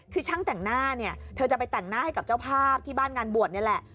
คือช่างแต่งหน้าเนี่ยเธอจะไปแต่งหน้าให้กับเจ้าภาพที่บ้านงานบวชนี่แหละ